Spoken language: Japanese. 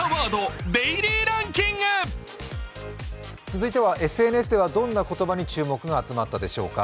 続いてはＳＮＳではどんな言葉に注目が集まったでしょうか。